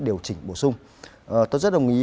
điều chỉnh bổ sung tôi rất đồng ý